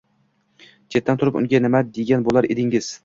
Chetdan turib unga nima degan bo‘lar edingiz?